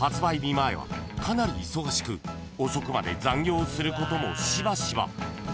前はかなり忙しく遅くまで残業することもしばしば］